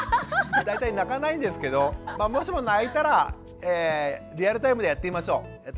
大体泣かないんですけどもしも泣いたらリアルタイムでやってみましょう。